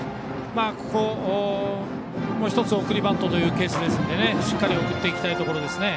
ここ、もう１つ送りバントというケースですのでしっかり送っていきたいです。